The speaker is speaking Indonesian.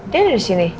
dia ada di sini